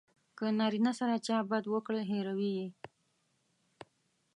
که نارینه سره چا بد وکړل هیروي یې.